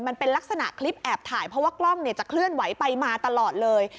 มันเป็นลักษณะคลิปแอบถ่ายเพราะว่ากล้องจะเคลื่อนไหวไปมาตลอดเลย